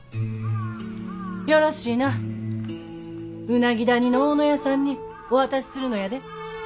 よろしいな鰻谷の大野屋さんにお渡しするのやで。